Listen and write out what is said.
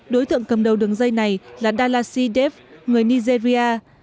đối tượng cầm đầu đường dây này là dalasi dev người nigeria